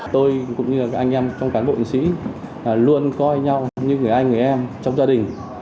tôi cũng như các anh em trong cán bộ chiến sĩ luôn coi nhau như người anh người em trong gia đình